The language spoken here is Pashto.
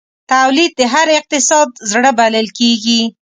تولید د هر اقتصاد زړه بلل کېږي.